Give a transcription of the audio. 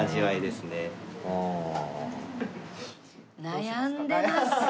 悩んでます！